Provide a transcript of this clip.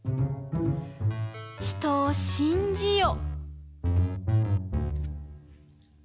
人を信じよ。